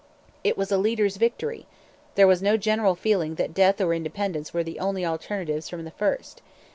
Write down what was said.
It was a leaders' victory: there was no general feeling that death or independence were the only alternatives from the first.